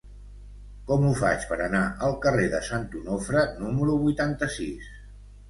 Com ho faig per anar al carrer de Sant Onofre número vuitanta-sis?